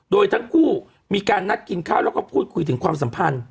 โดยทั้งคู่มีการนัดกินข้าวแล้วก็พูดคุยถึงความสัมพันธ์